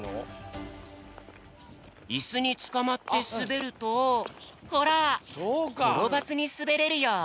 イスにつかまってすべるとほらころばずにすべれるよ！